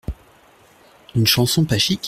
Une chanson pas chic ?